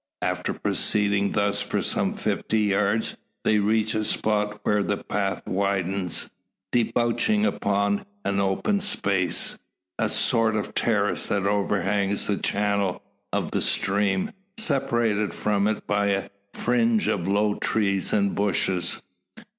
After proceeding thus for some fifty yards, they reach a spot where the path widens, debouching upon an open space a sort of terrace that overhangs the channel of the stream, separated from it by a fringe of low trees and bushes.